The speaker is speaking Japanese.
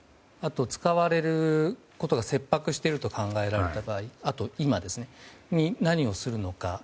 あと、使われることが切迫していると考えられる場合あと、今何をするのか。